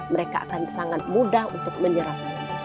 mereka akan sangat mudah untuk menyerap